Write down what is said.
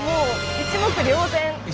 一目瞭然。